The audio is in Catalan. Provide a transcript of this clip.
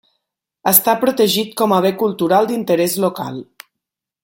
Està protegit com a Bé Cultural d'Interès Local.